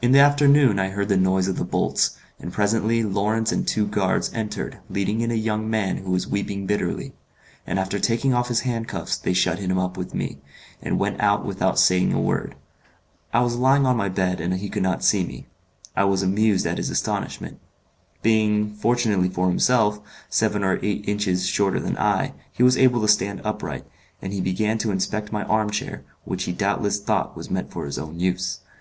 In the afternoon I heard the noise of the bolts, and presently Lawrence and two guards entered leading in a young man who was weeping bitterly; and after taking off his handcuffs they shut him up with me, and went out without saying a word. I was lying on my bed, and he could not see me. I was amused at his astonishment. Being, fortunately for himself, seven or eight inches shorter than I, he was able to stand upright, and he began to inspect my arm chair, which he doubtless thought was meant for his own use.